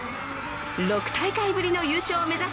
６大会ぶりの優勝を目指す